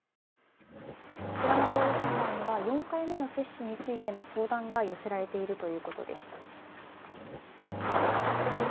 こちらのコールセンターには４回目についての相談が寄せられているということです。